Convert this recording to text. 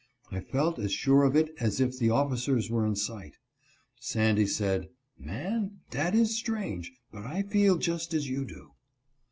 I felt as sure of it as if the officers were in sight. Sandy said : "Man, dat is strange ; but I feel just as you do."